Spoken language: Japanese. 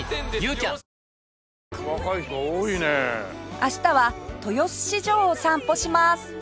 明日は豊洲市場を散歩します